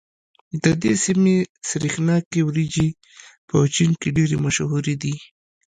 د دې سيمې سرېښناکې وريجې په چين کې ډېرې مشهورې دي.